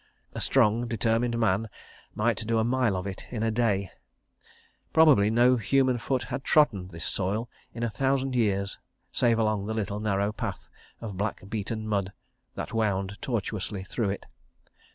A strong, determined man might do a mile of it in a day. ... Probably no human foot had trodden this soil in a thousand years, save along the little narrow path of black beaten mud that wound tortuously through it.